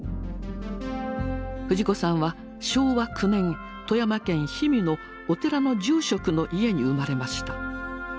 藤子さんは昭和９年富山県氷見のお寺の住職の家に生まれました。